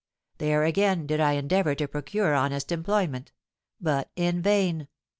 There, again, did I endeavour to procure honest employment—but in vain!